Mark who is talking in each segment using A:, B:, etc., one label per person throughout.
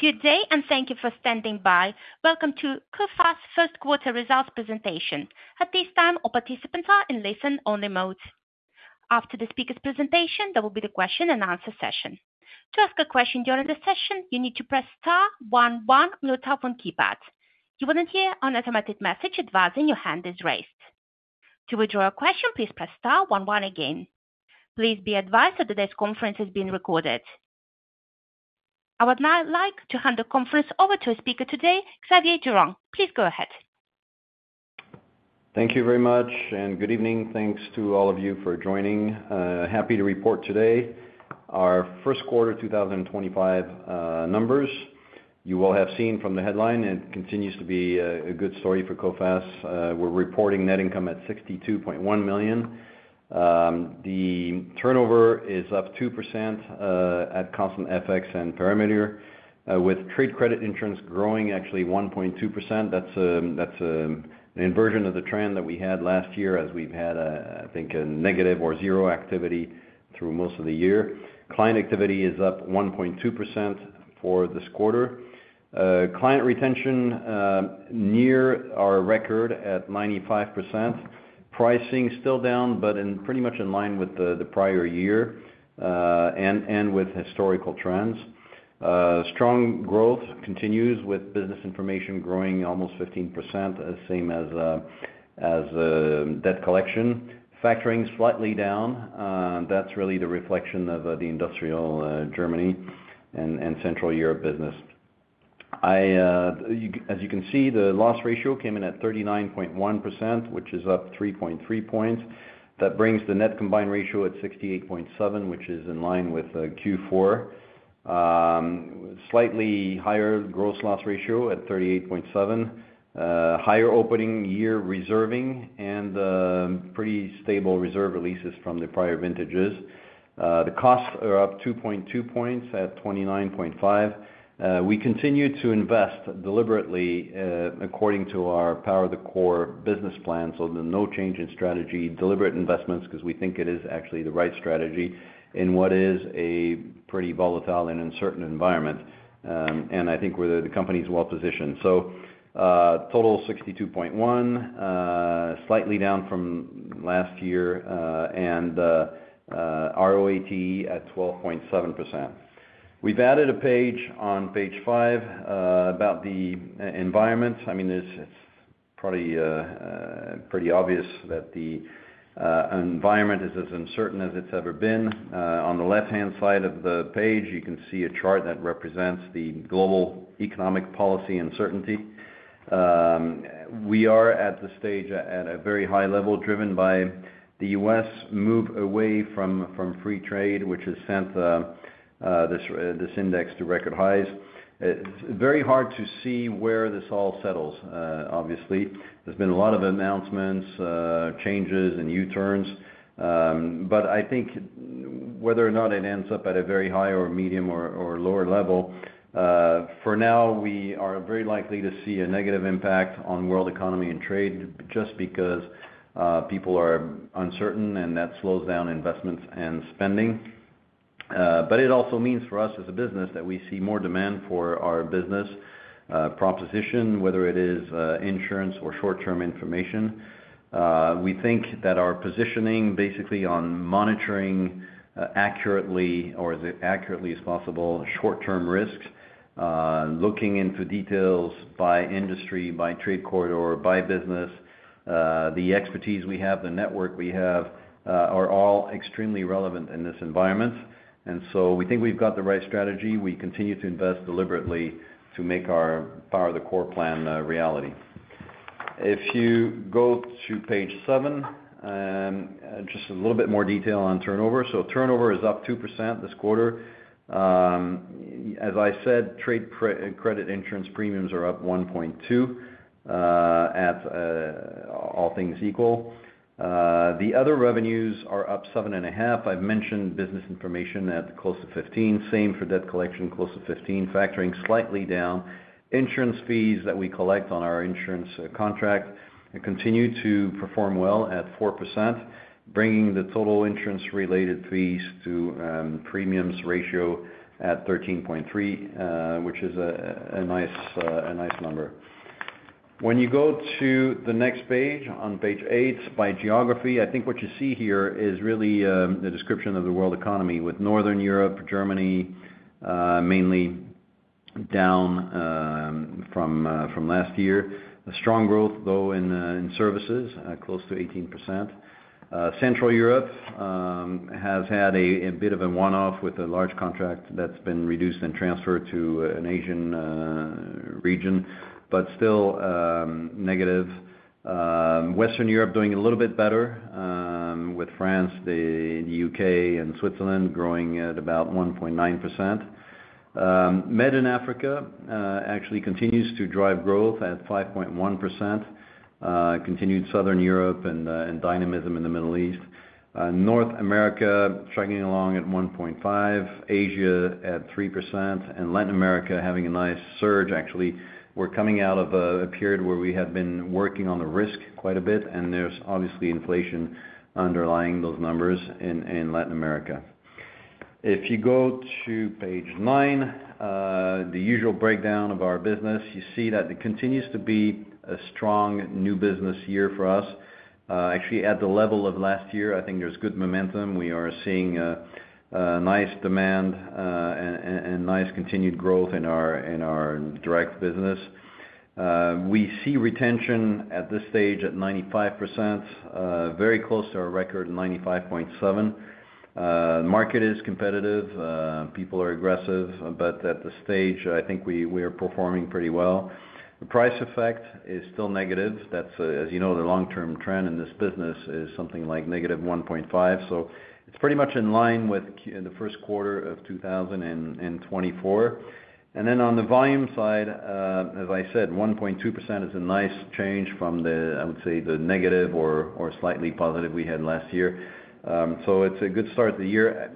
A: Good day, and thank you for standing by. Welcome to Coface First Quarter Results Presentation. At this time, all participants are in listen-only mode. After the speaker's presentation, there will be the question-and-answer session. To ask a question during the session, you need to press star one one on your telephone keypad. You will then hear an automatic message advising your hand is raised. To withdraw a question, please press *star one one again. Please be advised that today's conference is being recorded. I would now like to hand the conference over to our speaker today, Xavier Durand. Please go ahead.
B: Thank you very much, and good evening. Thanks to all of you for joining. Happy to report today our first quarter 2025 numbers. You all have seen from the headline, it continues to be a good story for Coface. We're reporting net income at 62.1 million. The turnover is up 2% at constant FX and perimeter, with trade credit insurance growing actually 1.2%. That's an inversion of the trend that we had last year, as we've had, I think, a negative or zero activity through most of the year. Client activity is up 1.2% for this quarter. Client retention near our record at 95%. Pricing still down, but pretty much in line with the prior year and with historical trends. Strong growth continues, with business information growing almost 15%, same as debt collection. Factoring is slightly down. That's really the reflection of the industrial Germany and Central Europe business. As you can see, the loss ratio came in at 39.1%, which is up 3.3 percentage points. That brings the net combined ratio at 68.7%, which is in line with Q4. Slightly higher gross loss ratio at 38.7%. Higher opening year reserving and pretty stable reserve releases from the prior vintages. The costs are up 2.2 percentage points at 29.5%. We continue to invest deliberately according to our Power the Core business plan, so no change in strategy, deliberate investments because we think it is actually the right strategy in what is a pretty volatile and uncertain environment. I think the company is well positioned. Total 62.1%, slightly down from last year, and ROATE at 12.7%. We have added a page on page five about the environment. I mean, it is probably pretty obvious that the environment is as uncertain as it has ever been. On the left-hand side of the page, you can see a chart that represents the global economic policy uncertainty. We are at the stage at a very high level, driven by the U.S. move away from free trade, which has sent this index to record highs. It's very hard to see where this all settles, obviously. There's been a lot of announcements, changes, and U-turns. I think whether or not it ends up at a very high or medium or lower level, for now, we are very likely to see a negative impact on world economy and trade just because people are uncertain, and that slows down investments and spending. It also means for us as a business that we see more demand for our business proposition, whether it is insurance or short-term information. We think that our positioning basically on monitoring accurately or as accurately as possible short-term risks, looking into details by industry, by trade corridor, by business, the expertise we have, the network we have are all extremely relevant in this environment. We think we've got the right strategy. We continue to invest deliberately to make our power of the core plan reality. If you go to page seven, just a little bit more detail on turnover. Turnover is up 2% this quarter. As I said, trade credit insurance premiums are up 1.2% at all things equal. The other revenues are up 7.5%. I've mentioned business information at close to 15%, same for debt collection, close to 15%, factoring slightly down. Insurance fees that we collect on our insurance contract continue to perform well at 4%, bringing the total insurance-related fees to premiums ratio at 13.3%, which is a nice number. When you go to the next page, on page eight by geography, I think what you see here is really the description of the world economy with Northern Europe, Germany mainly, down from last year. Strong growth, though, in services, close to 18%. Central Europe has had a bit of a one-off with a large contract that has been reduced and transferred to an Asian region, but still negative. Western Europe doing a little bit better with France, the U.K., and Switzerland growing at about 1.9%. Med and Africa actually continues to drive growth at 5.1%. Continued Southern Europe and dynamism in the Middle East. North America struggling along at 1.5%, Asia at 3%, and Latin America having a nice surge. Actually, we're coming out of a period where we have been working on the risk quite a bit, and there's obviously inflation underlying those numbers in Latin America. If you go to page nine, the usual breakdown of our business, you see that there continues to be a strong new business year for us. Actually, at the level of last year, I think there's good momentum. We are seeing nice demand and nice continued growth in our direct business. We see retention at this stage at 95%, very close to our record, 95.7%. The market is competitive. People are aggressive, but at this stage, I think we are performing pretty well. The price effect is still negative. That's, as you know, the long-term trend in this business is something like negative 1.5%. So it's pretty much in line with the first quarter of 2024. On the volume side, as I said, 1.2% is a nice change from the, I would say, the negative or slightly positive we had last year. It is a good start to the year.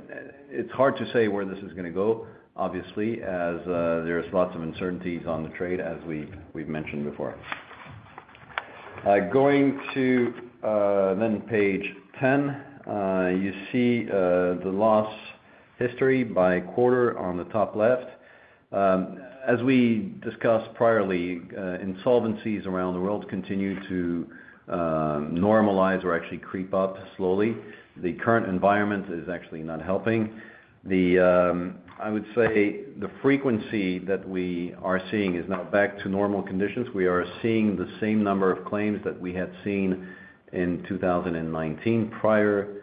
B: It is hard to say where this is going to go, obviously, as there is lots of uncertainty on the trade, as we have mentioned before. Going to page 10, you see the loss history by quarter on the top left. As we discussed priorly, insolvencies around the world continue to normalize or actually creep up slowly. The current environment is actually not helping. I would say the frequency that we are seeing is now back to normal conditions. We are seeing the same number of claims that we had seen in 2019 prior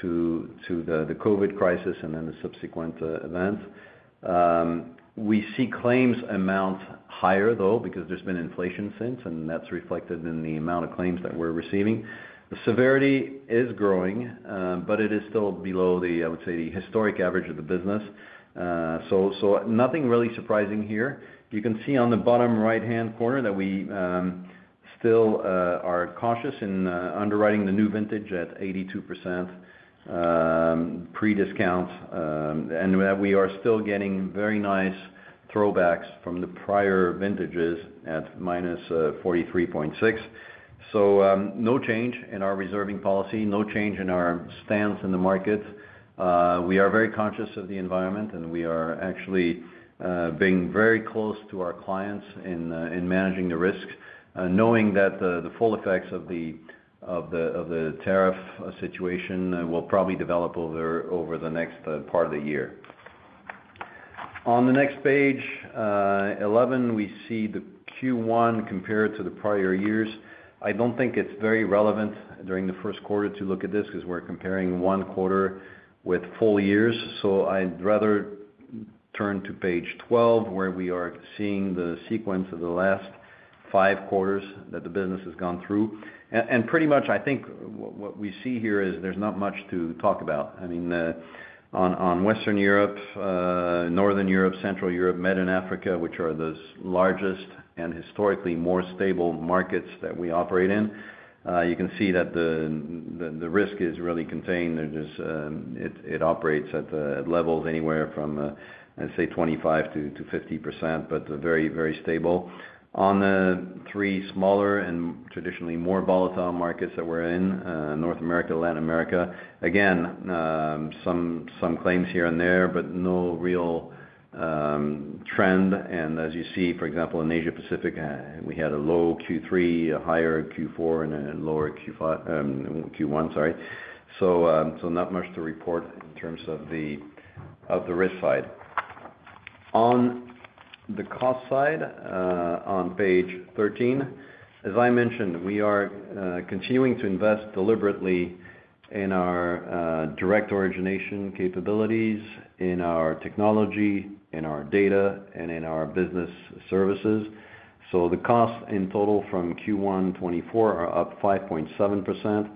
B: to the COVID crisis and then the subsequent events. We see claims amount higher, though, because there's been inflation since, and that's reflected in the amount of claims that we're receiving. The severity is growing, but it is still below the, I would say, the historic average of the business. Nothing really surprising here. You can see on the bottom right-hand corner that we still are cautious in underwriting the new vintage at 82% pre-discount. We are still getting very nice throwbacks from the prior vintages at -43.6%. No change in our reserving policy, no change in our stance in the market. We are very conscious of the environment, and we are actually being very close to our clients in managing the risks, knowing that the full effects of the tariff situation will probably develop over the next part of the year. On the next page, 11, we see the Q1 compared to the prior years. I don't think it's very relevant during the first quarter to look at this because we're comparing one quarter with full years. I'd rather turn to page 12, where we are seeing the sequence of the last five quarters that the business has gone through. Pretty much, I think what we see here is there's not much to talk about. I mean, on Western Europe, Northern Europe, Central Europe, Med and Africa, which are the largest and historically more stable markets that we operate in, you can see that the risk is really contained. It operates at levels anywhere from, I'd say, 25-50%, but very, very stable. On the three smaller and traditionally more volatile markets that we're in, North America, Latin America, again, some claims here and there, but no real trend. As you see, for example, in Asia-Pacific, we had a low Q3, a higher Q4, and a lower Q1, sorry. Not much to report in terms of the risk side. On the cost side, on page 13, as I mentioned, we are continuing to invest deliberately in our direct origination capabilities, in our technology, in our data, and in our business services. The costs in total from Q1 2024 are up 5.7%.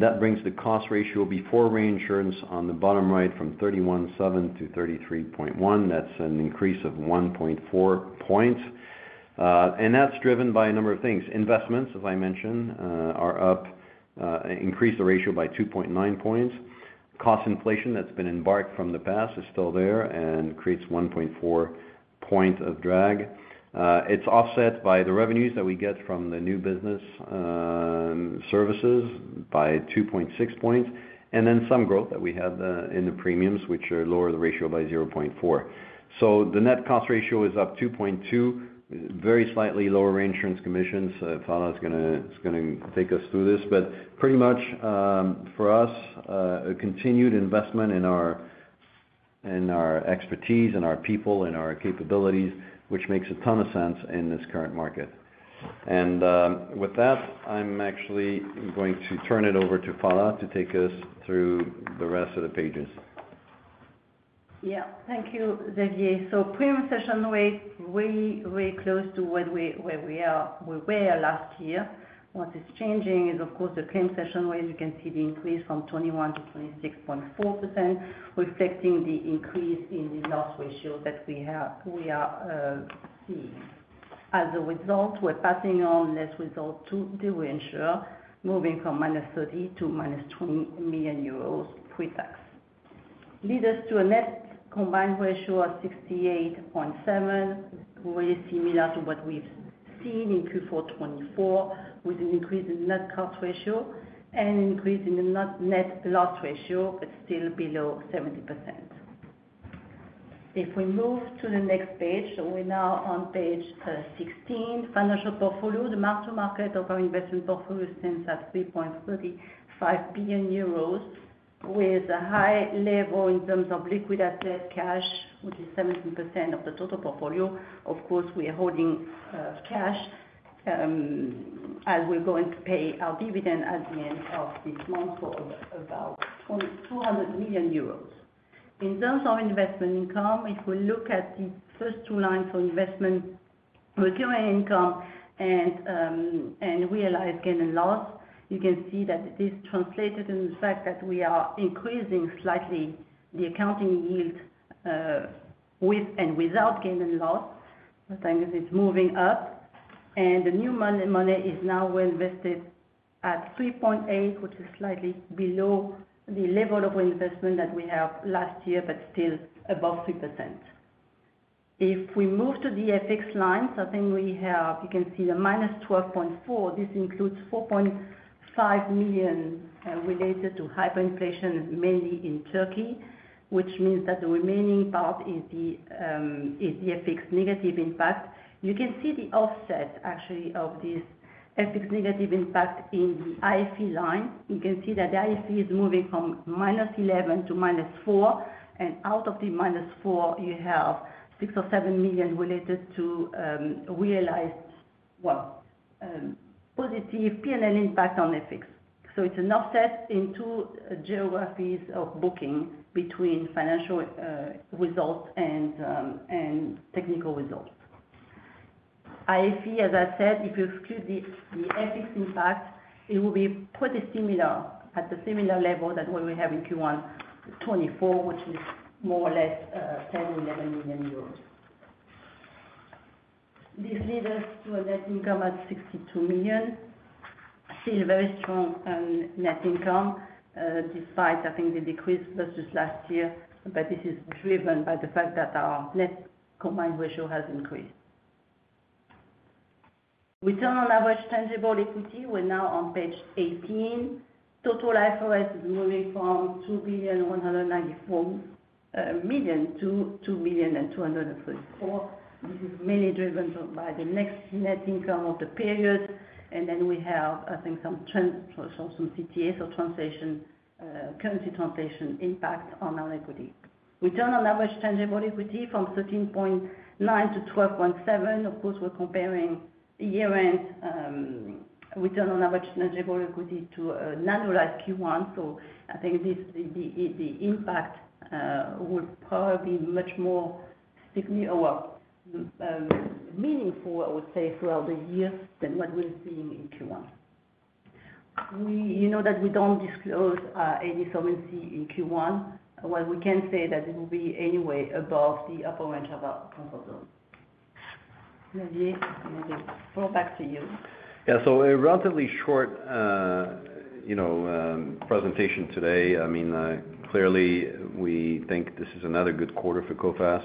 B: That brings the cost ratio before reinsurance on the bottom right from 31.7% - 33.1%. That is an increase of 1.4 percentage points. That is driven by a number of things. Investments, as I mentioned, are up, increased the ratio by 2.9 percentage points. Cost inflation that's been embarked from the past is still there and creates 1.4 percentage points of drag. It's offset by the revenues that we get from the new business services by 2.6 percentage points. Then some growth that we had in the premiums, which lower the ratio by 0.4. The net cost ratio is up 2.2, very slightly lower reinsurance commissions. Phalla is going to take us through this. Pretty much for us, a continued investment in our expertise and our people and our capabilities, which makes a ton of sense in this current market. With that, I'm actually going to turn it over to Phalla to take us through the rest of the pages.
C: Yeah. Thank you, Xavier. Premium session rate, way, way close to where we were last year. What is changing is, of course, the claim session rate. You can see the increase from 21% - 26.4%, reflecting the increase in the loss ratio that we are seeing. As a result, we're passing on less result to the reinsurer, moving from -30 million to -20 million euros pre-tax. This leads us to a net combined ratio of 68.7%, really similar to what we've seen in Q4 2024, with an increase in net cost ratio and increase in the net loss ratio, but still below 70%. If we move to the next page, we are now on page 16, financial portfolio. The market value of our investment portfolio stands at 3.35 billion euros, with a high level in terms of liquid asset cash, which is 17% of the total portfolio. Of course, we are holding cash as we are going to pay our dividend at the end of this month for about 200 million euros. In terms of investment income, if we look at the first two lines of investment, recurring income and realized gain and loss, you can see that it is translated in the fact that we are increasing slightly the accounting yield with and without gain and loss. I think it's moving up. The new money is now well invested at 3.8%, which is slightly below the level of investment that we have last year, but still above 3%. If we move to the FX lines, I think we have, you can see the -12.4 million. This includes 4.5 million related to hyperinflation, mainly in Turkey, which means that the remaining part is the FX negative impact. You can see the offset, actually, of this FX negative impact in the IFI line. You can see that the IFI is moving from -11 million to -4 million. Out of the -4, you have 6 or 7 million related to realized, well, positive P&L impact on FX. It is an offset in two geographies of booking between financial results and technical results. IFI, as I said, if you exclude the FX impact, it will be pretty similar at the similar level than what we have in Q1 2024, which is more or less 10-11 million euros. This leads us to a net income at 62 million. Still very strong net income despite, I think, the decrease versus last year, but this is driven by the fact that our net combined ratio has increased. Return on average tangible equity, we are now on page 18. Total IFRS is moving from 2,194 million to 2,234. This is mainly driven by the next net income of the period. We have, I think, some CTA, so currency translation impact on our equity. Return on average tangible equity from 13.9% to 12.7%. Of course, we're comparing year-end return on average tangible equity to a non-life Q1. I think the impact will probably be much more meaningful, I would say, throughout the year than what we're seeing in Q1. You know that we don't disclose any solvency in Q1. What we can say is that it will be anyway above the upper range of our comfort zone. Xavier, throwback to you.
B: Yeah. A relatively short presentation today. I mean, clearly, we think this is another good quarter for Coface.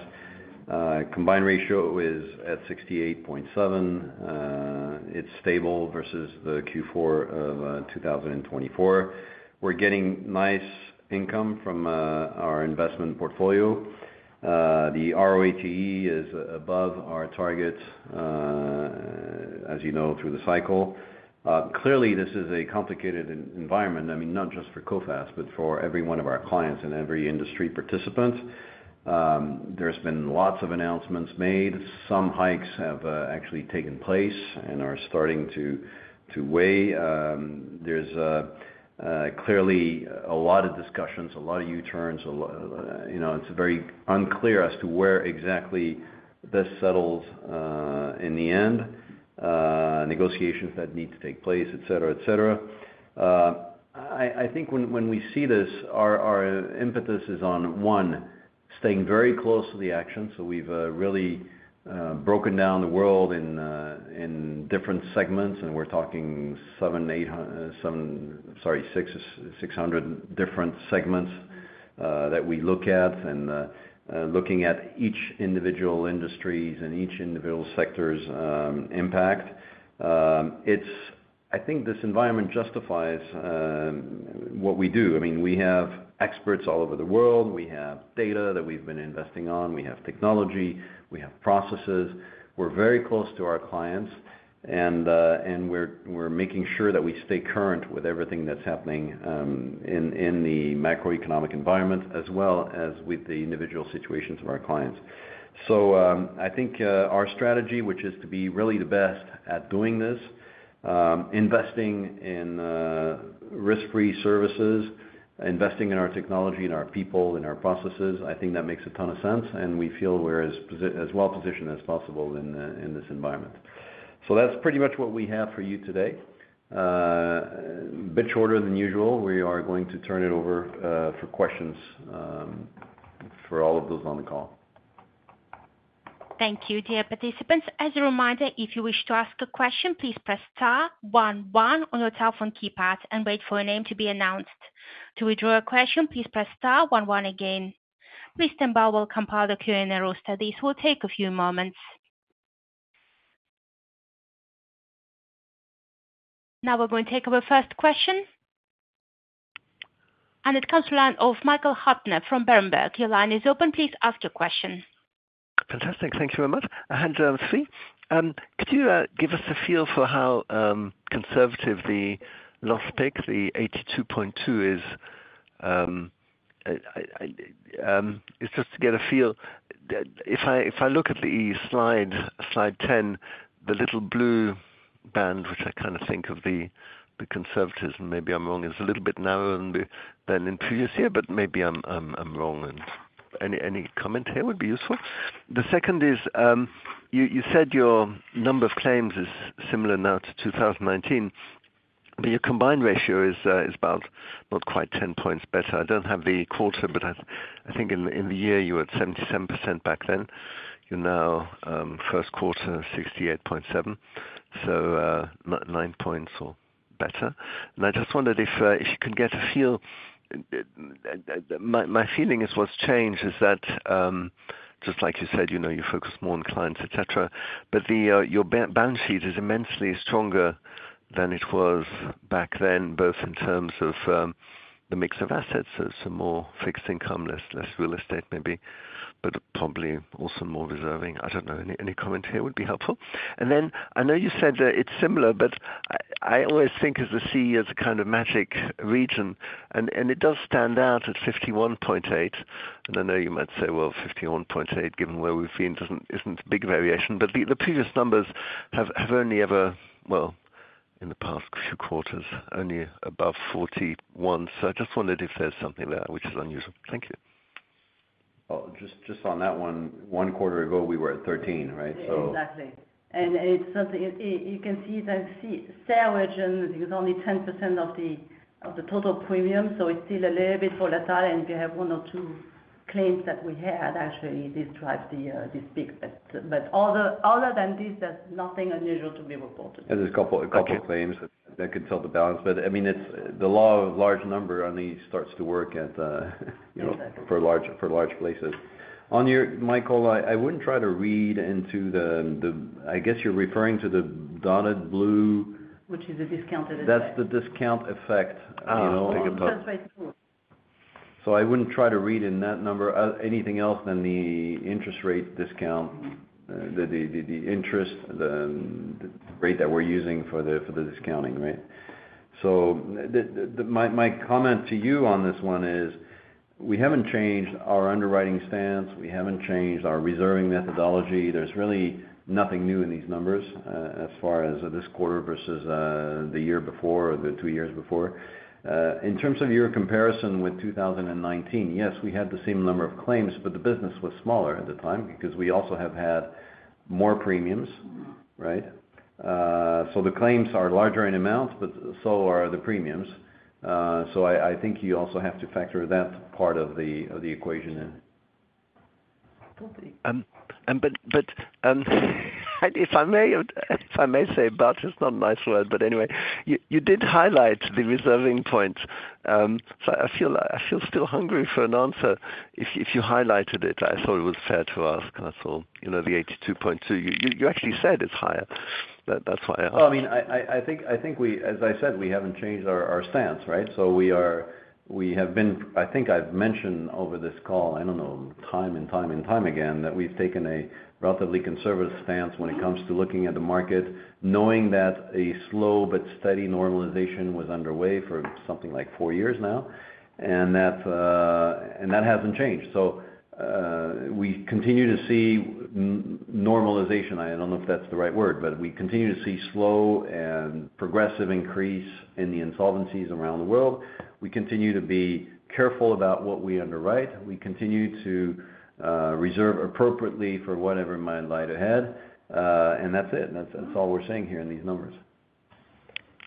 B: Combined ratio is at 68.7%. It's stable versus the Q4 of 2024. We're getting nice income from our investment portfolio. The ROATE is above our target, as you know, through the cycle. Clearly, this is a complicated environment. I mean, not just for Coface, but for every one of our clients and every industry participant. There's been lots of announcements made. Some hikes have actually taken place and are starting to weigh. There's clearly a lot of discussions, a lot of U-turns. It's very unclear as to where exactly this settles in the end, negotiations that need to take place, etc., etc. I think when we see this, our impetus is on, one, staying very close to the action. We've really broken down the world in different segments, and we're talking 7, 8, 7, sorry, 6, 600 different segments that we look at. Looking at each individual industry's and each individual sector's impact, I think this environment justifies what we do. I mean, we have experts all over the world. We have data that we've been investing on. We have technology. We have processes. We're very close to our clients. We're making sure that we stay current with everything that's happening in the macroeconomic environment, as well as with the individual situations of our clients. I think our strategy, which is to be really the best at doing this, investing in risk-free services, investing in our technology, in our people, in our processes, I think that makes a ton of sense. We feel we're as well positioned as possible in this environment. That's pretty much what we have for you today. A bit shorter than usual. We are going to turn it over for questions for all of those on the call.
A: Thank you, dear participants. As a reminder, if you wish to ask a question, please press star one one on your telephone keypad and wait for your name to be announced. To withdraw a question, please press star one one again. Please stand by while we compile the Q&A rules. This will take a few moments. Now we are going to take our first question. It comes from Michael Huttner from Berenberg. Your line is open. Please ask your question. Fantastic.
D: Thank you very much. Xavier, could you give us a feel for how conservative the loss pick, the 82.2, is? It is just to get a feel. If I look at the slide, slide 10, the little blue band, which I kind of think of as the conservatives, and maybe I am wrong, is a little bit narrower than in previous year, but maybe I am wrong. Any comment here would be useful. The second is you said your number of claims is similar now to 2019, but your combined ratio is about not quite 10 points better. I don't have the quarter, but I think in the year you were at 77% back then. You're now first quarter, 68.7%, so 9 percentage points or better. I just wondered if you could get a feel. My feeling is what's changed is that, just like you said, you focus more on clients, etc., but your balance sheet is immensely stronger than it was back then, both in terms of the mix of assets, so more fixed income, less real estate maybe, but probably also more reserving. I don't know. Any comment here would be helpful. I know you said that it's similar, but I always think of the CE as a kind of magic region. It does stand out at 51.8%. I know you might say, "51.8, given where we've been, isn't a big variation." The previous numbers have only ever, in the past few quarters, only above 41. I just wondered if there's something there, which is unusual. Thank you.
B: Just on that one, one quarter ago, we were at 13, right?
C: Exactly. You can see it as sale region, it's only 10% of the total premium. It's still a little bit volatile. If you have one or two claims that we had, actually, this drives this big. Other than this, there's nothing unusual to be reported.
B: There's a couple of claims that can tilt the balance. I mean, the law of large number only starts to work for large places. Michael, I wouldn't try to read into the, I guess you're referring to the dotted blue.
C: Which is the discounted effect.
B: That's the discount effect. Oh, okay.
C: That's right.
B: I wouldn't try to read in that number anything else than the interest rate discount, the interest, the rate that we're using for the discounting, right? My comment to you on this one is we haven't changed our underwriting stance. We haven't changed our reserving methodology. There's really nothing new in these numbers as far as this quarter versus the year before or the two years before. In terms of your comparison with 2019, yes, we had the same number of claims, but the business was smaller at the time because we also have had more premiums, right? The claims are larger in amount, but so are the premiums. I think you also have to factor that part of the equation in.
D: If I may say, but it's not a nice word, but anyway, you did highlight the reserving points. I feel still hungry for an answer. If you highlighted it, I thought it was fair to ask. That's all. The 82.2, you actually said it's higher. That's why I asked.
B: I think, as I said, we haven't changed our stance, right? I think I've mentioned over this call, I don't know, time and time and time again, that we've taken a relatively conservative stance when it comes to looking at the market, knowing that a slow but steady normalization was underway for something like four years now. That hasn't changed. We continue to see normalization. I don't know if that's the right word, but we continue to see slow and progressive increase in the insolvencies around the world. We continue to be careful about what we underwrite. We continue to reserve appropriately for whatever might lie ahead. That is it. That is all we are saying here in these numbers.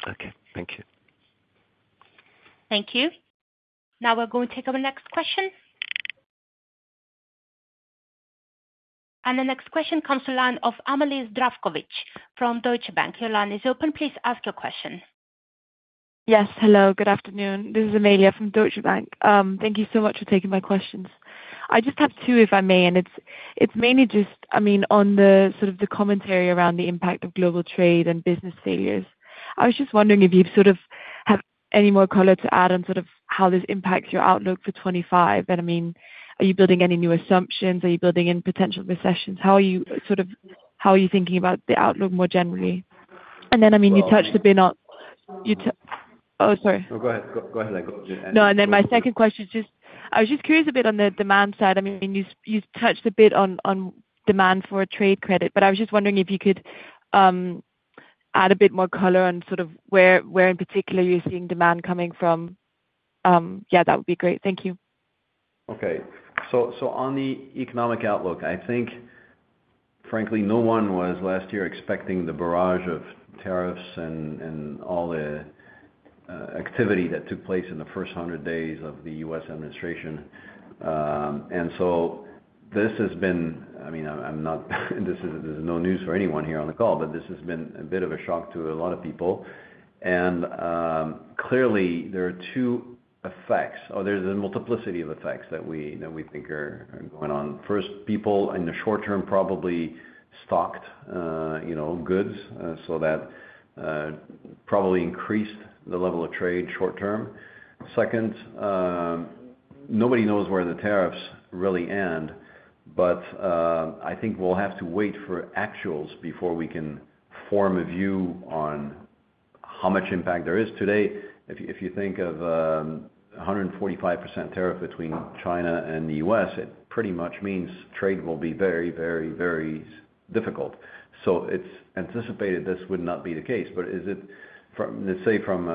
D: Okay. Thank you.
A: Thank you. Now we are going to take our next question. The next question comes to the line of Amalie Zdravkovic from Deutsche Bank. Your line is open. Please ask your question.
E: Yes. Hello. Good afternoon. This is Amalie from Deutsche Bank. Thank you so much for taking my questions. I just have two, if I may, and it is mainly just, I mean, on the sort of the commentary around the impact of global trade and business failures. I was just wondering if you sort of have any more color to add on sort of how this impacts your outlook for 2025. I mean, are you building any new assumptions? Are you building in potential recessions? How are you sort of, how are you thinking about the outlook more generally? I mean, you touched a bit on—oh, sorry.
B: Go ahead. Go ahead. I got you.
E: No. My second question is just, I was just curious a bit on the demand side. I mean, you touched a bit on demand for trade credit, but I was just wondering if you could add a bit more color on sort of where in particular you're seeing demand coming from. Yeah, that would be great. Thank you.
B: Okay. On the economic outlook, I think, frankly, no one was last year expecting the barrage of tariffs and all the activity that took place in the first 100 days of the U.S. administration. This has been—I mean, I'm not—this is no news for anyone here on the call, but this has been a bit of a shock to a lot of people. Clearly, there are two effects, or there's a multiplicity of effects that we think are going on. First, people in the short term probably stocked goods, so that probably increased the level of trade short term. Second, nobody knows where the tariffs really end, but I think we'll have to wait for actuals before we can form a view on how much impact there is. Today, if you think of a 145% tariff between China and the U.S., it pretty much means trade will be very, very, very difficult. It is anticipated this would not be the case, but let's say from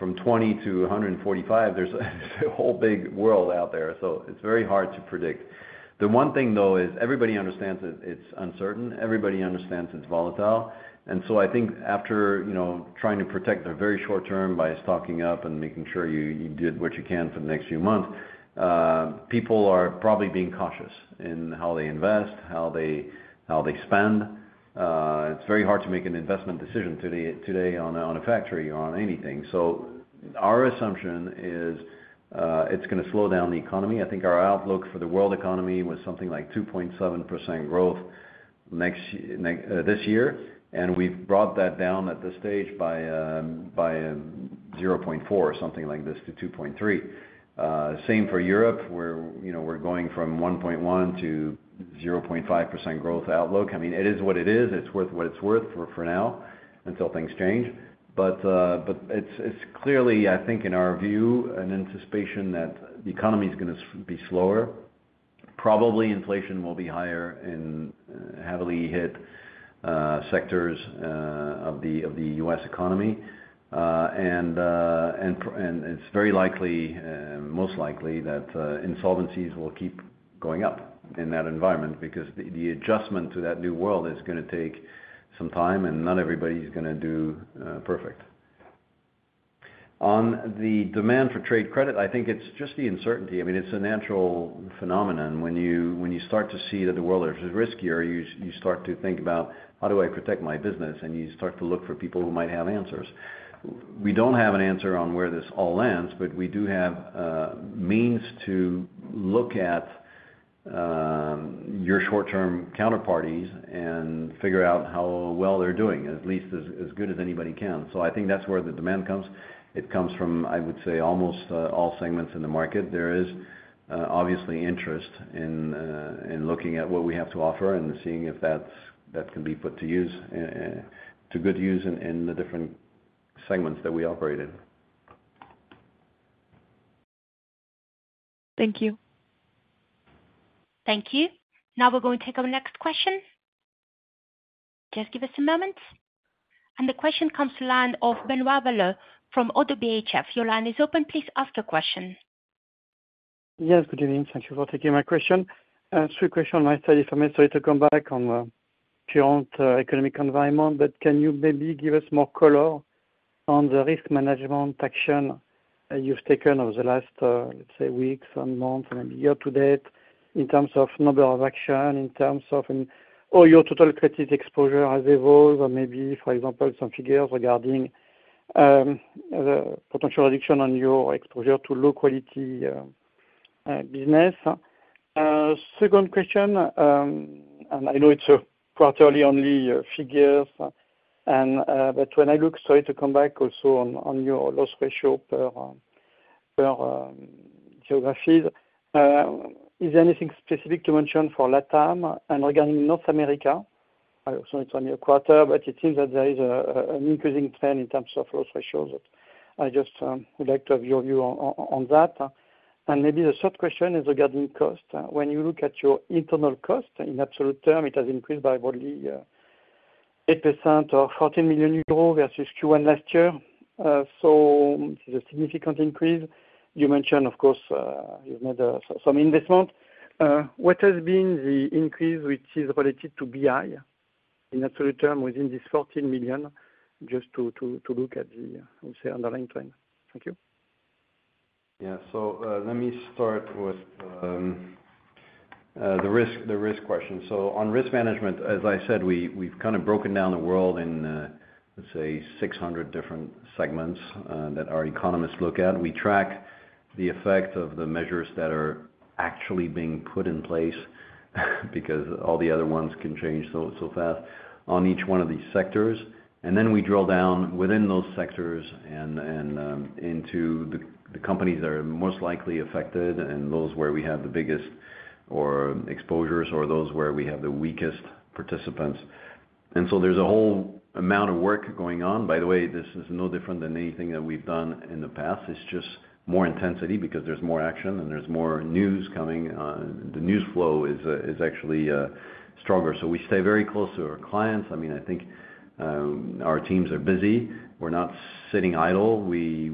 B: 20% - 145%, there's a whole big world out there. It is very hard to predict. The one thing, though, is everybody understands it's uncertain. Everybody understands it's volatile. I think after trying to protect the very short term by stocking up and making sure you did what you can for the next few months, people are probably being cautious in how they invest, how they spend. It's very hard to make an investment decision today on a factory or on anything. Our assumption is it's going to slow down the economy. I think our outlook for the world economy was something like 2.7% growth this year. We've brought that down at this stage by 0.4 or something like this to 2.3%. Same for Europe. We're going from 1.1% to 0.5% growth outlook. I mean, it is what it is. It's worth what it's worth for now until things change. It is clearly, I think, in our view, an anticipation that the economy is going to be slower. Probably inflation will be higher in heavily hit sectors of the U.S. economy. It is very likely, most likely, that insolvencies will keep going up in that environment because the adjustment to that new world is going to take some time, and not everybody is going to do perfect. On the demand for trade credit, I think it is just the uncertainty. I mean, it is a natural phenomenon. When you start to see that the world is riskier, you start to think about, "How do I protect my business?" You start to look for people who might have answers. We don't have an answer on where this all lands, but we do have means to look at your short-term counterparties and figure out how well they're doing, at least as good as anybody can. I think that's where the demand comes. It comes from, I would say, almost all segments in the market. There is obviously interest in looking at what we have to offer and seeing if that can be put to good use in the different segments that we operate in.
E: Thank you.
A: Thank you. Now we're going to take our next question. Just give us a moment. The question comes to the line of Benoit Valleaux from ODDO BHF. Your line is open. Please ask your question.
F: Yes. Good evening. Thank you for taking my question. A quick question on my side. If I may, sorry to come back on the current economic environment, but can you maybe give us more color on the risk management action you've taken over the last, let's say, weeks and months, and maybe year to date in terms of number of action, in terms of your total credit exposure as it evolves, or maybe, for example, some figures regarding the potential reduction on your exposure to low-quality business? Second question, and I know it's quarterly only figures, but when I look, sorry to come back also on your loss ratio per geography, is there anything specific to mention for Latin America? Regarding North America, I also need to tell you a quarter, but it seems that there is an increasing trend in terms of loss ratios. I just would like to have your view on that. Maybe the third question is regarding cost. When you look at your internal cost, in absolute term, it has increased by roughly 8% or 14 million versus Q1 last year. So it's a significant increase. You mentioned, of course, you've made some investment. What has been the increase which is related to BI in absolute term within this 14 million just to look at the, we'll say, underlying trend? Thank you.
B: Yeah. Let me start with the risk question. On risk management, as I said, we've kind of broken down the world in, let's say, 600 different segments that our economists look at. We track the effect of the measures that are actually being put in place because all the other ones can change so fast on each one of these sectors. We drill down within those sectors and into the companies that are most likely affected and those where we have the biggest exposures or those where we have the weakest participants. There is a whole amount of work going on. By the way, this is no different than anything that we have done in the past. It is just more intensity because there is more action and there is more news coming. The news flow is actually stronger. We stay very close to our clients. I mean, I think our teams are busy. We are not sitting idle. We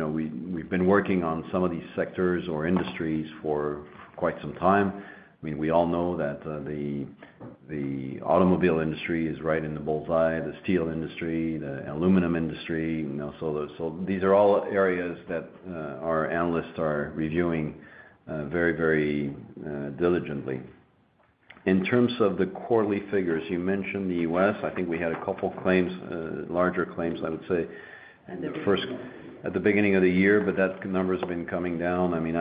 B: have been working on some of these sectors or industries for quite some time. I mean, we all know that the automobile industry is right in the bull's eye, the steel industry, the aluminum industry. These are all areas that our analysts are reviewing very, very diligently. In terms of the quarterly figures, you mentioned the U.S. I think we had a couple of larger claims, I would say, at the beginning of the year, but that number has been coming down. I mean,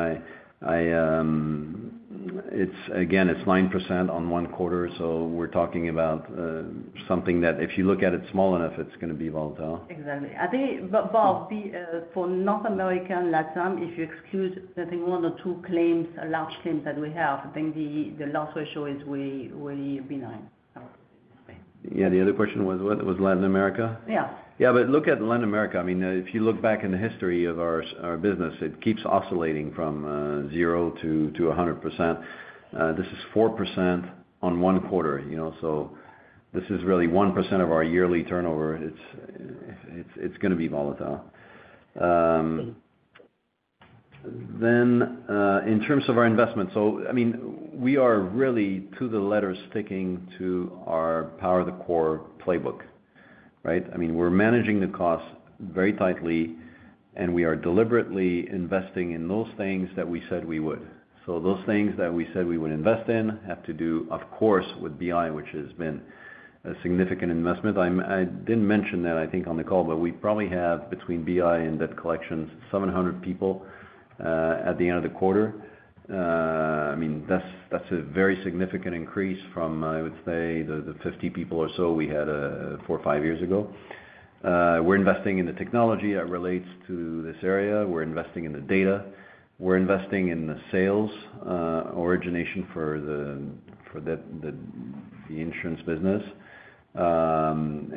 B: again, it's 9% on one quarter. We are talking about something that if you look at it small enough, it's going to be volatile.
C: Exactly. For North America and LATAM, if you exclude I think one or two large claims that we have, I think the loss ratio is really benign.
B: Yeah. The other question was, what was Latin America?
C: Yeah.
B: Yeah. Look at Latin America. I mean, if you look back in the history of our business, it keeps oscillating from 0 to 100%. This is 4% on one quarter. This is really 1% of our yearly turnover. It's going to be volatile. In terms of our investment, I mean, we are really to the letter sticking to our power of the core playbook, right? I mean, we're managing the cost very tightly, and we are deliberately investing in those things that we said we would. Those things that we said we would invest in have to do, of course, with BI, which has been a significant investment. I didn't mention that, I think, on the call, but we probably have between BI and debt collections 700 people at the end of the quarter. I mean, that's a very significant increase from, I would say, the 50 people or so we had four or five years ago. We're investing in the technology that relates to this area. We're investing in the data. We're investing in the sales origination for the insurance business and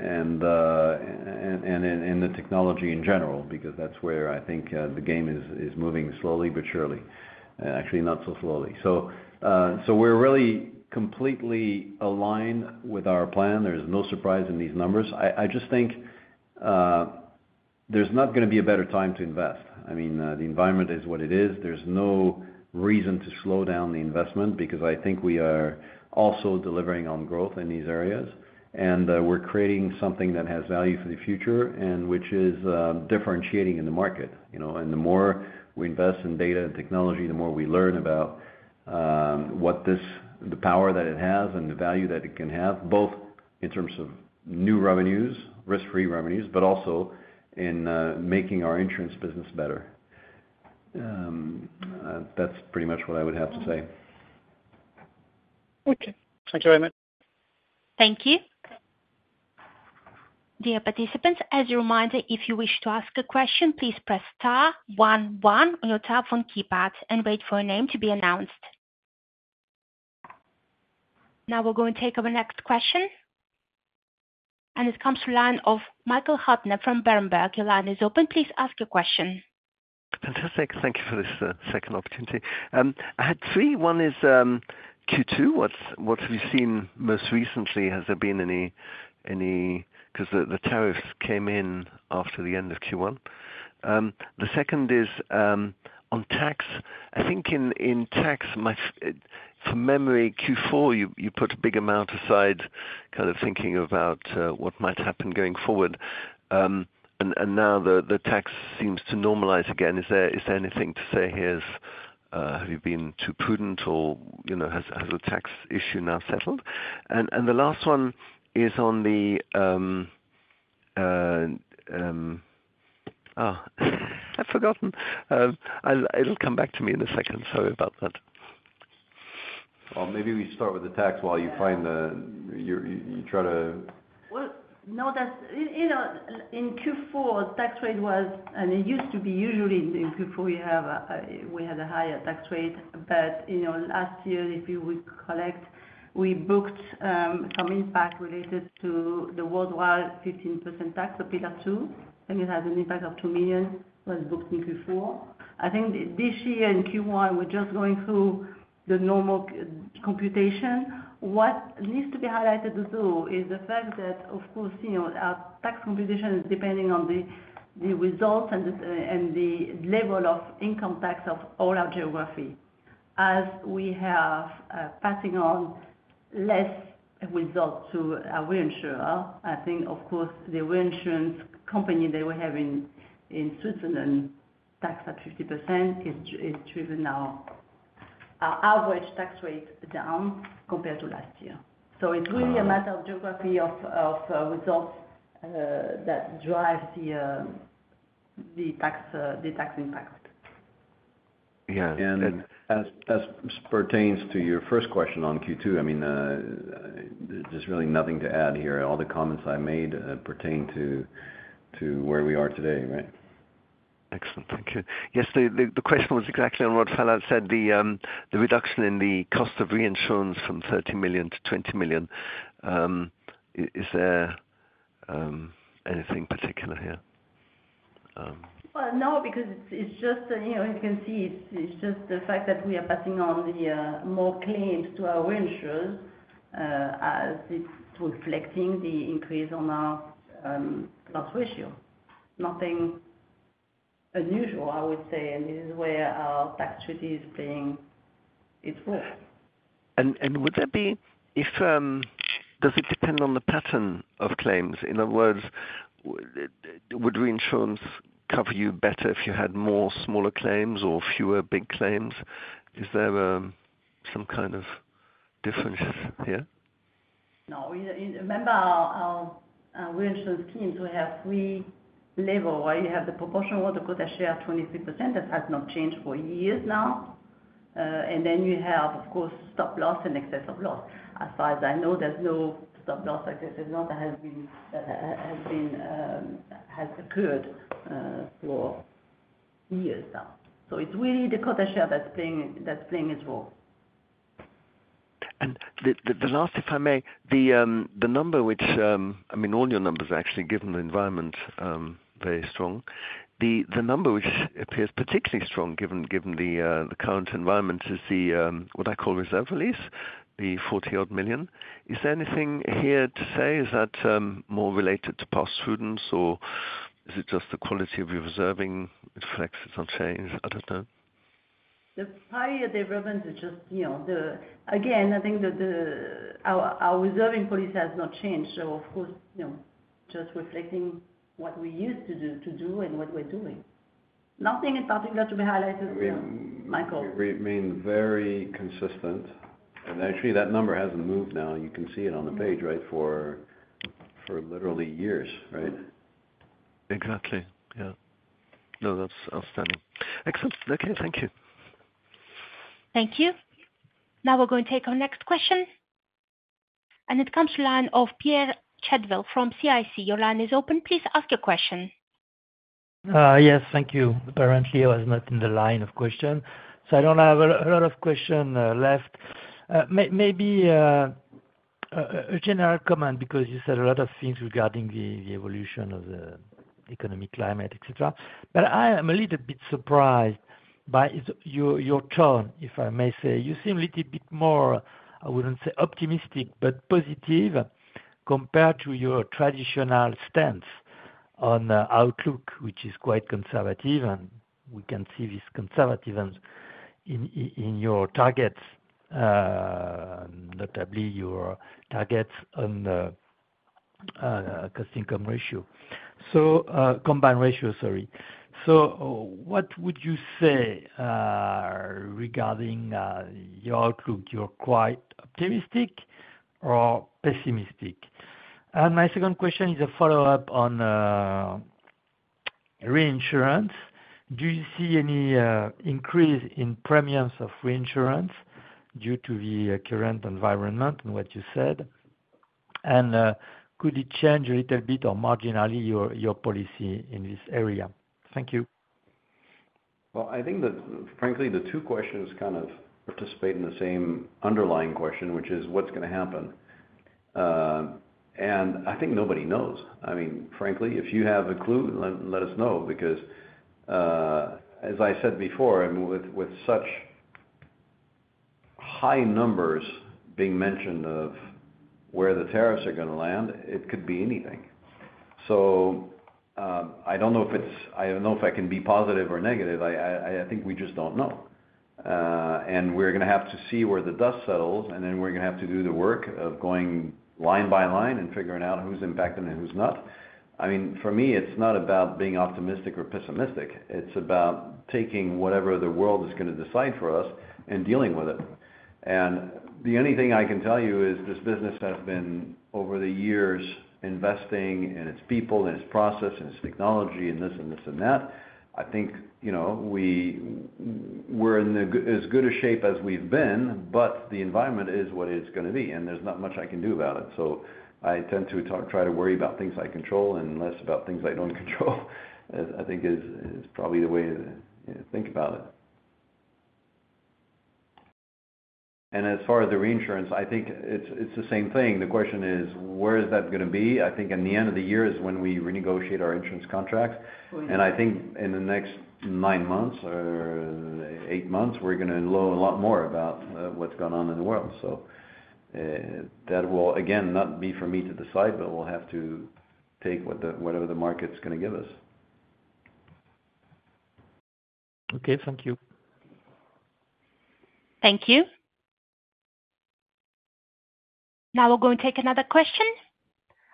B: in the technology in general because that's where I think the game is moving slowly but surely, actually not so slowly. We're really completely aligned with our plan. There is no surprise in these numbers. I just think there's not going to be a better time to invest. I mean, the environment is what it is. There's no reason to slow down the investment because I think we are also delivering on growth in these areas. We're creating something that has value for the future and which is differentiating in the market. The more we invest in data and technology, the more we learn about the power that it has and the value that it can have, both in terms of new revenues, risk-free revenues, but also in making our insurance business better. That's pretty much what I would have to say.
F: Okay. Thank you very much.
A: Thank you. Dear participants, as a reminder, if you wish to ask a question, please press star 11 on your telephone keypad and wait for your name to be announced. Now we're going to take our next question. It comes to the line of Michael Huttner from Berenberg. Your line is open. Please ask your question.
D: Fantastic. Thank you for this second opportunity. I had three. One is Q2. What have you seen most recently? Has there been any because the tariffs came in after the end of Q1. The second is on tax. I think in tax, from memory, Q4, you put a big amount aside kind of thinking about what might happen going forward. Now the tax seems to normalize again. Is there anything to say here? Have you been too prudent, or has the tax issue now settled? The last one is on the—oh, I've forgotten. It'll come back to me in a second. Sorry about that.
B: Maybe we start with the tax while you try to—
C: No, in Q4, the tax rate was—and it used to be usually in Q4, we had a higher tax rate. Last year, if you recollect, we booked some impact related to the worldwide 15% tax, the Pillar 2. I think it has an impact of 2 million was booked in Q4. I think this year in Q1, we're just going through the normal computation. What needs to be highlighted too is the fact that, of course, our tax computation is depending on the results and the level of income tax of all our geography. As we have passing on less results to our reinsurer, I think, of course, the reinsurance company that we have in Switzerland, taxed at 50%, is driving our average tax rate down compared to last year. It is really a matter of geography of results that drives the tax impact.
B: Yeah. And as pertains to your first question on Q2, I mean, there is really nothing to add here. All the comments I made pertain to where we are today, right?
D: Excellent. Thank you. Yes. The question was exactly on what Phalla said, the reduction in the cost of reinsurance from 13 million to 20 million. Is there anything particular here?
C: No, because it is just—you can see it is just the fact that we are passing on more claims to our reinsurers as it is reflecting the increase on our loss ratio. Nothing unusual, I would say. This is where our tax treaty is playing its role.
D: Would that be—does it depend on the pattern of claims? In other words, would reinsurance cover you better if you had more smaller claims or fewer big claims? Is there some kind of difference here?
C: No. Remember our reinsurance schemes, we have three levels where you have the proportional auto quota share, 23%. That has not changed for years now. You have, of course, stop loss and excess of loss. As far as I know, there is no stop loss or excess of loss that has occurred for years now. It is really the quota share that is playing its role.
D: The last, if I may, the number which—I mean, all your numbers actually given the environment, very strong. The number which appears particularly strong given the current environment is what I call reserve release, the 40-odd million. Is there anything here to say? Is that more related to past prudence, or is it just the quality of your reserving reflects its own change? I don't know.
C: The prior development is just—again, I think that our reserving policy has not changed. Of course, just reflecting what we used to do and what we're doing. Nothing in particular to be highlighted, Michael.
B: We've remained very consistent. Actually, that number hasn't moved now. You can see it on the page, right, for literally years, right?
D: Exactly. Yeah. No, that's outstanding. Excellent. Okay. Thank you.
A: Thank you. Now we're going to take our next question. It comes to the line of Pierre Chédeville from CIC. Your line is open. Please ask your question.
G: Yes. Thank you. Apparently, I was not in the line of question. I do not have a lot of questions left. Maybe a general comment because you said a lot of things regarding the evolution of the economic climate, etc. I am a little bit surprised by your tone, if I may say. You seem a little bit more, I would not say optimistic, but positive compared to your traditional stance on outlook, which is quite conservative. We can see this conservativeness in your targets, notably your targets on cost-income ratio. Combined ratio, sorry. What would you say regarding your outlook? Are you quite optimistic or pessimistic? My second question is a follow-up on reinsurance. Do you see any increase in premiums of reinsurance due to the current environment and what you said? Could it change a little bit or marginally your policy in this area? Thank you.
B: I think that, frankly, the two questions kind of participate in the same underlying question, which is what's going to happen? I think nobody knows. I mean, frankly, if you have a clue, let us know. Because as I said before, with such high numbers being mentioned of where the tariffs are going to land, it could be anything. I don't know if it's—I don't know if I can be positive or negative. I think we just don't know. We're going to have to see where the dust settles. We're going to have to do the work of going line by line and figuring out who's impacting and who's not. For me, it's not about being optimistic or pessimistic. It's about taking whatever the world is going to decide for us and dealing with it. The only thing I can tell you is this business has been, over the years, investing in its people and its process and its technology and this and this and that. I think we're in as good a shape as we've been, but the environment is what it's going to be. There's not much I can do about it. I tend to try to worry about things I control and less about things I don't control, I think, is probably the way to think about it. As far as the reinsurance, I think it's the same thing. The question is, where is that going to be? I think at the end of the year is when we renegotiate our insurance contracts. I think in the next nine months or eight months, we're going to know a lot more about what's going on in the world. That will, again, not be for me to decide, but we'll have to take whatever the market's going to give us.
G: Okay. Thank you.
A: Thank you. Now we're going to take another question.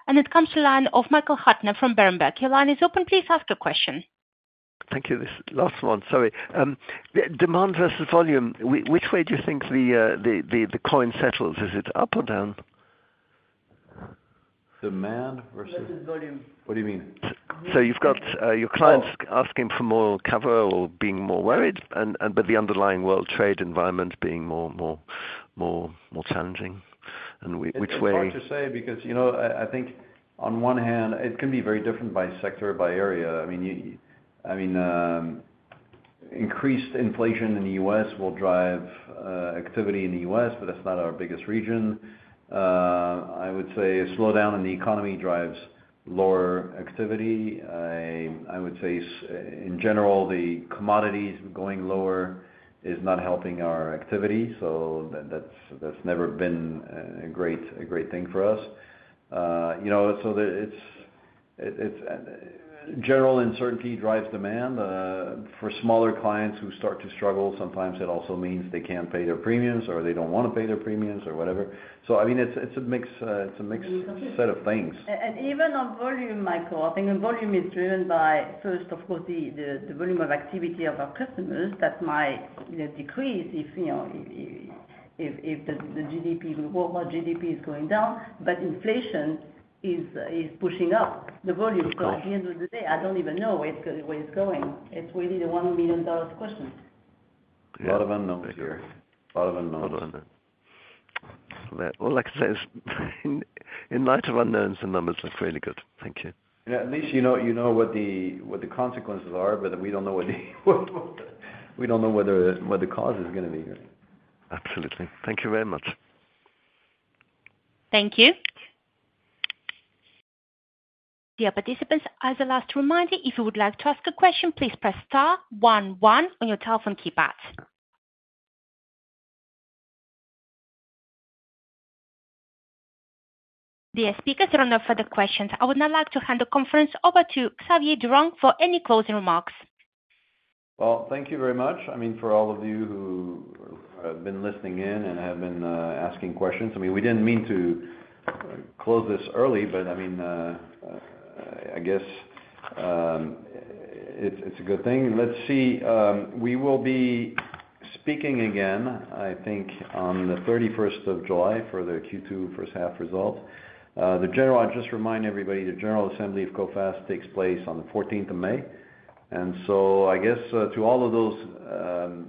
A: It comes to the line of Michael Huttner from Berenberg. Your line is open. Please ask your question.
D: Thank you. This last one, sorry. Demand versus volume. Which way do you think the coin settles? Is it up or down?
B: Demand versus—volume. What do you mean?
D: You've got your clients asking for more cover or being more worried, but the underlying world trade environment being more challenging. Which way?
B: It's hard to say because I think on one hand, it can be very different by sector, by area. I mean, increased inflation in the U.S. will drive activity in the U.S., but that's not our biggest region. I would say a slowdown in the economy drives lower activity. I would say, in general, the commodities going lower is not helping our activity. That's never been a great thing for us. General uncertainty drives demand. For smaller clients who start to struggle, sometimes it also means they can't pay their premiums or they don't want to pay their premiums or whatever. I mean, it's a mixed set of things.
C: Even on volume, Michael, I think volume is driven by, first of all, the volume of activity of our customers. That might decrease if the GDP is going down. Inflation is pushing up the volume. At the end of the day, I don't even know where it's going. It's really the $1 million question.
B: A lot of unknowns here. A lot of unknowns.
D: Like I say, in light ofunknowns, the numbers look really good. Thank you.
B: At least you know what the consequences are, but we do not know what the—we do not know what the cause is going to be.
D: Absolutely. Thank you very much.
A: Thank you. Dear participants, as a last reminder, if you would like to ask a question, please press star one one on your telephone keypad. Dear speakers, there are no further questions. I would now like to hand the conference over to Xavier Durand for any closing remarks.
B: Thank you very much. I mean, for all of you who have been listening in and have been asking questions. I mean, we did not mean to close this early, but I mean, I guess it is a good thing. Let us see. We will be speaking again, I think, on the 31st of July for the Q2 first-half results. I just remind everybody the General Assembly of Coface takes place on the 14th of May. I guess to all of those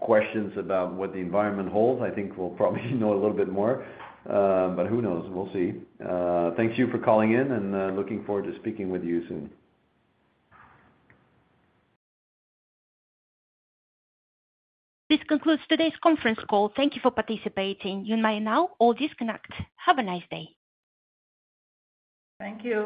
B: questions about what the environment holds, I think we'll probably know a little bit more. Who knows? We'll see. Thank you for calling in, and looking forward to speaking with you soon.
A: This concludes today's conference call. Thank you for participating. You may now all disconnect. Have a nice day.
C: Thank you.